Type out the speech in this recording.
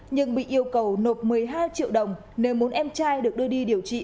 nhưng bị yêu cầu nộp một mươi hai triệu đồng nếu muốn em trai được đưa đi điều trị